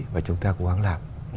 và chúng ta cố gắng làm